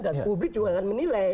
dan publik juga akan menilai